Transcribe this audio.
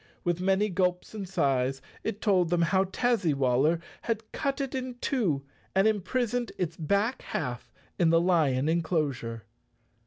With many gulps and sighs it told them how Tazzywaller had cut it in two and imprisoned its back half in the lion enclosure.